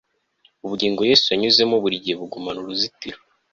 Ubugingo Yesu yanyuzemo burigihe bugumana uruzitiro